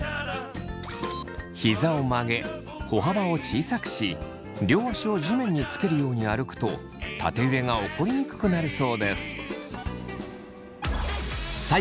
膝を曲げ歩幅を小さくし両足を地面につけるように歩くと縦揺れが起こりにくくなるそうです。